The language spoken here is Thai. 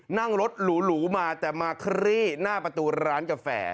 นั่งรถหรูมาแต่มาคลี่หน้าประตูร้านกาแฟ